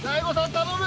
頼む！